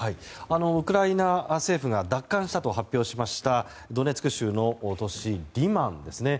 ウクライナ政府が奪還したと発表しましたドネツク州の都市リマンですね。